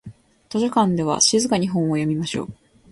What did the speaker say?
図書館では静かに本を読みましょう。